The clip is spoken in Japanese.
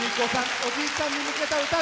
おじいちゃんに向けた歌声。